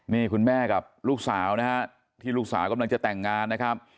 นี่คุณแม่กับลูกสาวนะฮะที่ลูกสาวกำลังจะแต่งงานนะครับ